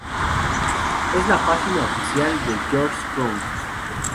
Esta es la página oficial de George Crumb